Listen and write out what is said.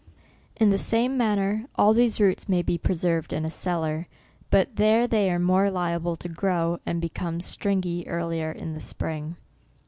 In the same manner all these roots may be preserved in a cellar, but there they are more liable to grow, and become stringey earlier in the spring.